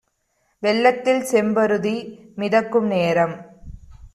வெள்ளத்தில் செம்பருதி மிதக்கும் நேரம்!